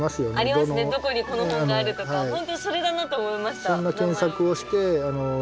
どこにこの本があるとか本当にそれだなと思いました。